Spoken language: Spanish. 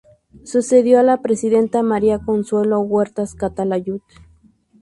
Sucedió a la Presidenta María Consuelo Huertas Calatayud.